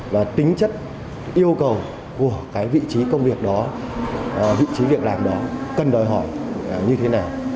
và tính chất yêu cầu của cái vị trí công việc đó vị trí việc làm đó cần đòi hỏi như thế nào